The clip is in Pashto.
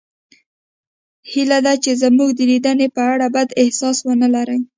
هیله ده چې زموږ د لیدنې په اړه بد احساس ونلرئ